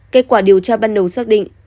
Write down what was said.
kết quả điều tra ban đầu xác định